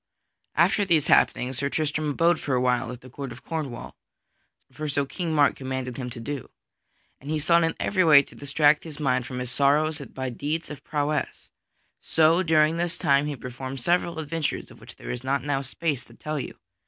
_ After these happenings, Sir Tristram abode for awhile at the Court of Cornwall, for so King Mark commanded him to do. And he sought in every way to distract his mind from his sorrows by deeds of prowess. So during this time he performed several adventures of which there is not now space to tell you.